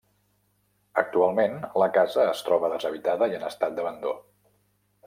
Actualment, la casa es troba deshabitada i en estat d'abandó.